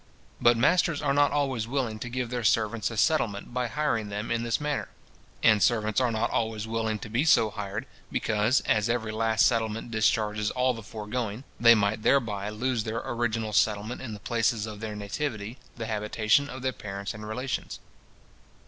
But masters are not always willing to give their servants a settlement by hiring them in this manner; and servants are not always willing to be so hired, because, as every last settlement discharges all the foregoing, they might thereby lose their original settlement in the places of their nativity, the habitation of their parents and relations.